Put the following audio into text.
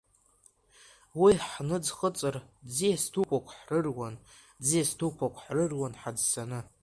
Уи ҳныӡхыҵыр, ӡиас дуқәак ҳрыруан, ӡиас дуқәак ҳрыруан ҳаӡсаны.